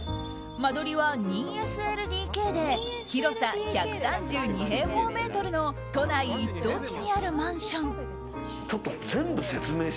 間取りは２ＳＬＤＫで広さ１３２平方メートルの都内一等地にあるマンション。